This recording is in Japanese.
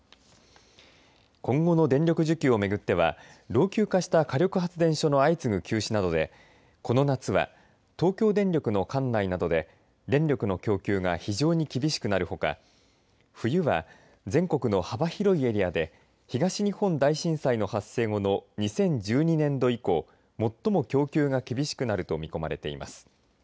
今後の電力需給をめぐっては老朽化した火力発電所の相次ぐ休止などでこの夏は東京電力の管内などで電力の供給が非常に厳しくなるほか冬は全国の幅広いエリアで東日本大震災の発生後の２０１２年度以降最も供給が厳しくなると見込まれています。